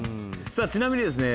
ちなみにですね